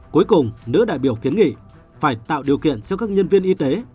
cuối cùng nữ đại biểu kiến nghị phải tạo điều kiện cho các nhân viên y tế